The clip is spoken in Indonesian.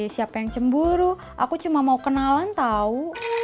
siapa yang cemburu aku cuma mau kenalan tahu